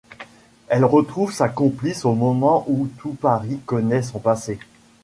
Elle retrouve sa complice au moment où tout Paris connaît son passé.